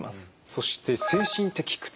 そして精神的苦痛。